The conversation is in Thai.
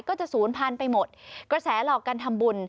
ก็จะศูนย์พันไปหมดกระแสหลอกการทำบุญ